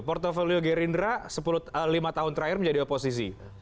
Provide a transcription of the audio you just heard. portfolio gerindra lima tahun trialya menjadi oposisi